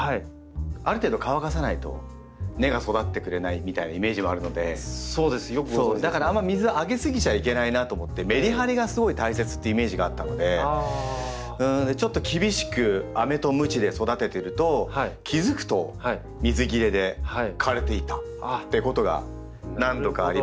ある程度乾かさないと根が育ってくれないみたいなイメージはあるのでだからあんま水あげすぎちゃいけないなと思ってメリハリがすごい大切っていうイメージがあったのでちょっと厳しくあめとむちで育ててると気付くと水切れで枯れていたってことが何度かありました。